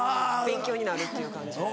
勉強になるっていう感じで。